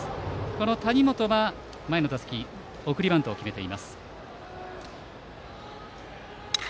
この谷本は前の打席送りバントを決めています。